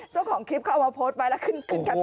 เจ้าของคลิปเขาเอามาโพสต์ไว้แล้วขึ้นกับฉันแบบนี้